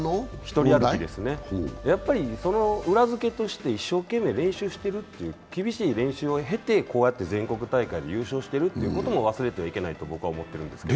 やっぱり、その裏づけとして一生懸命練習している、厳しい練習を経て、こうやって全国大会で優勝しているということも忘れてはいけないと思うんですけど。